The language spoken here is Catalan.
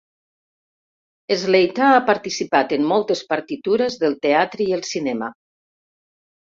Slater ha participat en moltes partitures del teatre i el cinema.